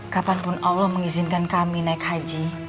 kapanpun allah mengizinkan kami naik haji